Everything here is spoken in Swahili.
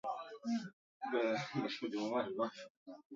Arat ni Maeneo yote ya vijijini na huwa yana kijani kizuri